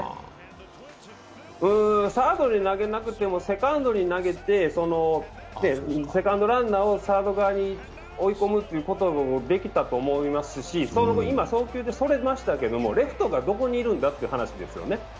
サードに投げなくてもセカンドに投げて、セカンドランナーをサード側に追い込むこともできたと思いますし、今、送球でそれましたけど、レフトがどこにいるんだ？という話ですよね。